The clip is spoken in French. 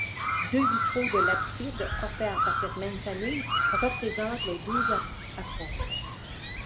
Deux vitraux de l'abside, offerts par cette même famille, représentent les douze apôtres.